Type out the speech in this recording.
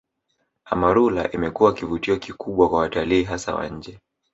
Amarula imekuwa kivutio kikubwa kwa watalii hasa wa nje